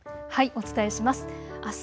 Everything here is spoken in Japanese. お伝えします。